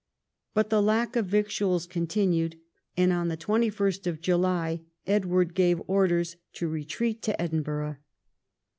But the lack of victuals continued, and on 21st July Edward o;ave orders to retreat to Edinbur<rh.